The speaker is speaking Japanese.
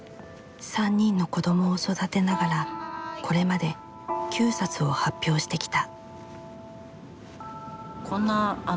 ３人の子供を育てながらこれまで９冊を発表してきた。